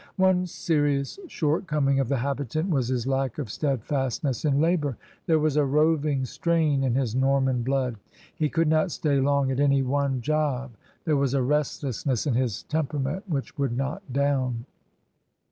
One serious short coming of the habitant was his lack of steadfast ness in labor. There was a roving strain in his Norman blood. He could not stay long at any one job; th^re was a restlessness in his tempera ment which would not down.